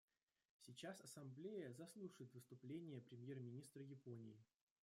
Сейчас Ассамблея заслушает выступление премьер-министра Японии.